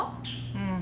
うん。